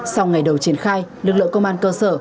sau ngày đầu triển khai lực lượng công an cơ sở